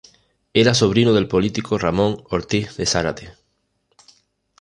Era sobrino del político Ramón Ortiz de Zárate.